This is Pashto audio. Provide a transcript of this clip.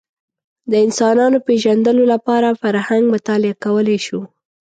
د انسانانو پېژندلو لپاره فرهنګ مطالعه کولی شو